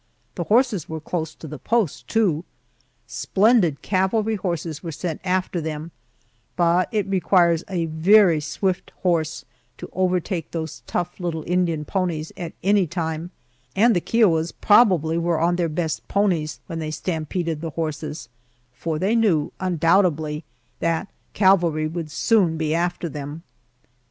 The horses were close to the post too. Splendid cavalry horses were sent after them, but it requires a very swift horse to overtake those tough little Indian ponies at any time, and the Kiowas probably were on their best ponies when they stampeded the horses, for they knew, undoubtedly, that cavalry would soon be after them.